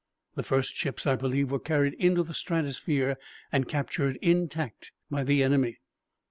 The first ships, I believe, were carried into the stratosphere and captured intact by the enemy.